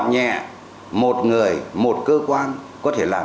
hội nghị trung ương sáu khóa một mươi hai